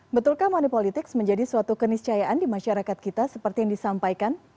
betulkah money politics menjadi suatu keniscayaan di masyarakat kita seperti yang disampaikan